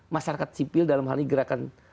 masyarakat sipil dalam hal ini gerakan